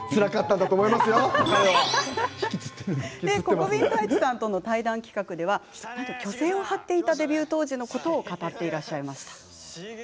国分太一さんとの対談企画では虚勢を張っていたデビュー当時のことを語っていました。